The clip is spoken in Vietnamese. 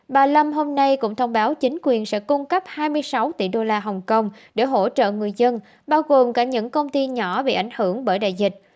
bà lâm hôm nay cũng thông báo chính quyền sẽ cung cấp hai mươi sáu tỷ đô la hồng kông để hỗ trợ người dân bao gồm cả những công ty nhỏ bị ảnh hưởng bởi đại dịch